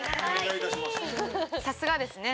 さすがですね。